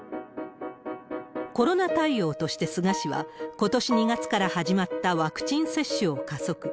コロナ対応として菅氏は、ことし２月から始まったワクチン接種を加速。